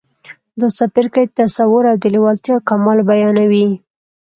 دا څپرکی تصور او د لېوالتیا کمال بيانوي.